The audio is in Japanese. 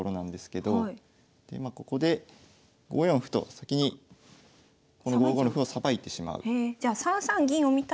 まあここで５四歩と先にこの５五の歩をさばいてしまう。